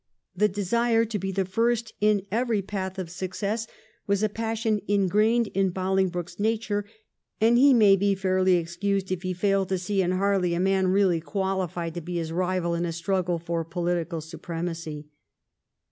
The desire to be the first in every path of success was a passion ingrained in Bolingbroke's nature, and he may be fairly excused if he failed to see in Harley a man really qualified to be his rival in a struggle for political supremacy.